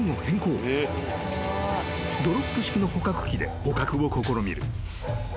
［ドロップ式の捕獲器で捕獲を試みる］